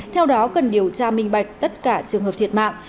theo đó cần điều tra minh bạch tất cả trường hợp thiệt mạng